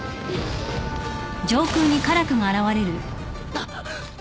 あっ！